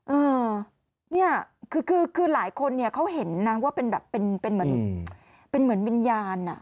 เออนี่คือหลายคนเขาเห็นว่าเป็นเหมือนวิญญาณ